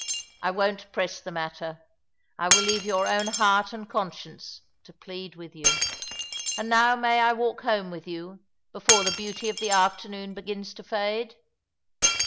I won't press the matter. I will leave your own heart and conscience to plead with you. And now may I walk home with you, before the beauty of the after noon begins to fade